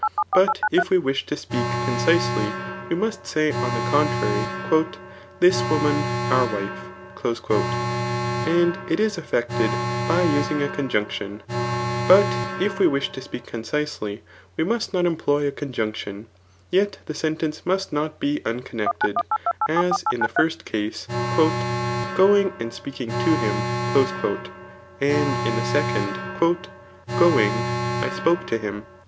But if we wish to speak con cisely, we must say on the contrary, ^^ this woman our wife." And it is effected by using a conjunction ; but if we wish to speak concisely, we must not employ a conjunction, yet the sentence must not be unconnected j as in the first case, '' Going and speaking to him;" and in the second, *^ Going, I spoke to him."